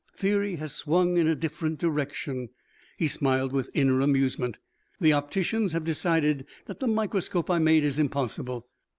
Theory has swung in a different direction." He smiled with inner amusement. "The opticians have decided that the microscope I made is impossible.